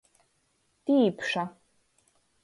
Tīpša.